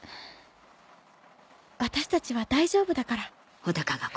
私たちは大丈夫だから。